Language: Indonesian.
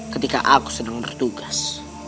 ketika aku sedang bertugas